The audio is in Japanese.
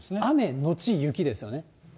雨後雪ですよね。